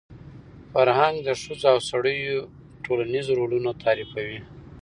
فرهنګ د ښځو او سړیو ټولنیز رولونه تعریفوي.